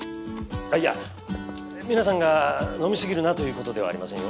あっいや皆さんが飲みすぎるなという事ではありませんよ。